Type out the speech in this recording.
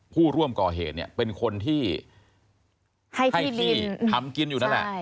ผู้ร่วมก่อเหตุเนี่ยเป็นคนที่ให้ที่ทำกินอยู่นั่นแหละ